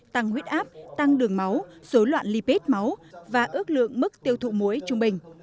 tăng huyết áp tăng đường máu số loạn lipid máu và ước lượng mức tiêu thụ muối trung bình